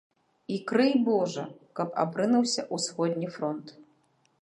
І крый божа, каб абрынуўся ўсходні фронт.